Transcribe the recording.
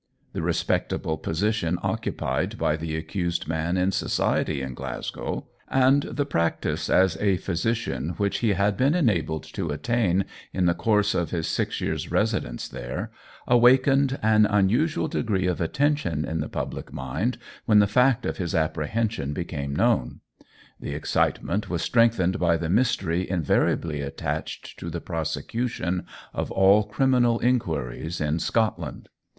The respectable position occupied by the accused man in society in Glasgow, and the practice as a physician which he had been enabled to attain in the course of his six years' residence there, awakened an unusual degree of attention in the public mind when the fact of his apprehension became known. The excitement was strengthened by the mystery invariably attached to the prosecution of all criminal inquiries in Scotland.